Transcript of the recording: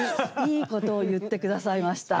いいことを言って下さいました。